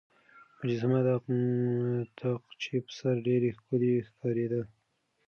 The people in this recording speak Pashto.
مجسمه د تاقچې په سر ډېره ښکلې ښکارېده.